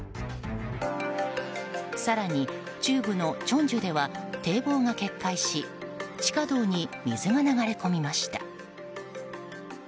更に、中部のチョンジュでは堤防が決壊し地下道に水が流れ込みました。